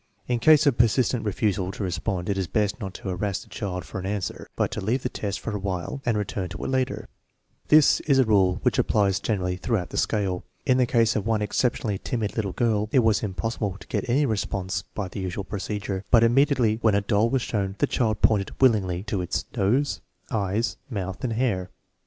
In case of persistent refusal to respond it is best not to harass the child for an answer, but to leave the test for a while and return to it later. This is a rule which applies generally throughout the scale. In the case of one exceptionally timid little girl, it was impossible to get any response by the usual procedure, but immediately when a doll was shown the child pointed willingly to its nose, eyes, mouth, and hair.